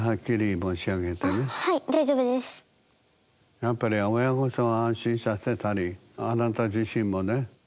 やっぱり親御さんを安心させたりあなた自身もね